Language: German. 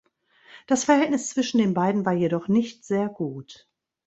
Das Verhältnis zwischen den beiden war jedoch nicht sehr gut.